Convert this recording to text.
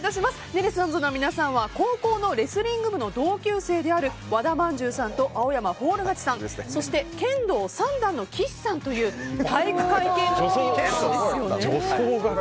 ネルソンズの皆さんは高校のレスリング部の同級生である和田まんじゅうさんと青山フォール勝ちさんそして剣道３段の岸さんという体育会系のトリオなんですよね。